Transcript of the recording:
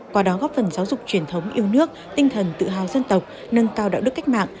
qua đó góp phần giáo dục truyền thống yêu nước tinh thần tự hào dân tộc nâng cao đạo đức cách mạng